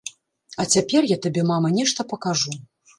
А цяпер я табе, мама, нешта пакажу.